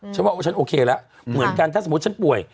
ฉันว่าฉันโอเคแล้วเหมือนกันถ้าสมมุติฉันป่วย